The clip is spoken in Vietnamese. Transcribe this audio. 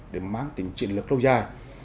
để mang tính triển lực lâu dài